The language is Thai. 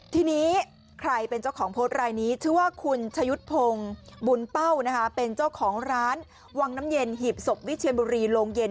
ทีนี้ใครเป็นเจ้าของโพสต์รายนี้ชื่อว่าคุณชะยุทธ์พงศ์บุญเป้านะคะเป็นเจ้าของร้านวังน้ำเย็นหีบศพวิเชียนบุรีโรงเย็น